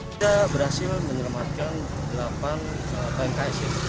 kita berhasil menyelamatkan delapan pmksf